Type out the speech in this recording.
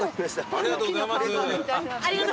ありがとうございます。